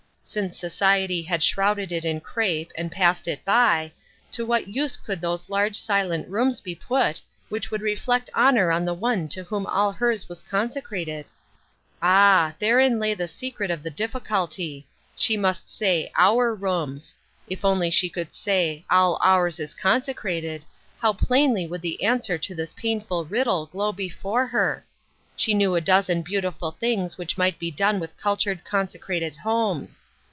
Since society had shrouded it in crepe and passed it by, to what use could those large silent rooms be put which would reflect honor on the One to whom all hers was consecrated ? Ah ! therein lay the secret of the difficulty. She must say " our rooms ;" if only she could say " all ours is consecrated," how plainly would the answer to this painful riddle glow before her ! She knew a dozen beautiful things which might be done with cultured consecrated homes.